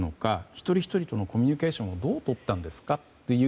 一人ひとりとのコミュニケーションをどうとったんですか？という